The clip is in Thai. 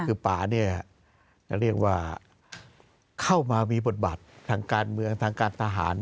คือป่าจะเรียกว่าเข้ามามีบทบาททางการเมืองทางการทหาร